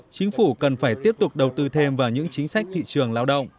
chính phủ cần phải tiếp tục đầu tư thêm vào những chính sách thị trường lao động